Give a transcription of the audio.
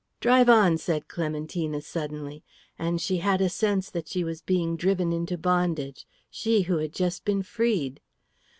"Drive on," said Clementina, suddenly; and she had a sense that she was being driven into bondage, she who had just been freed.